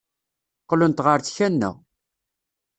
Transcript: Qqlent ɣer tkanna.